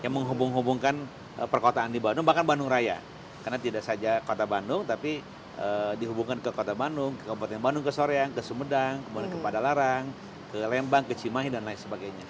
menghubung hubungkan perkotaan di bandung bahkan bandung raya karena tidak saja kota bandung tapi dihubungkan ke kota bandung ke kabupaten bandung ke soreang ke sumedang kemudian ke padalarang ke lembang ke cimahi dan lain sebagainya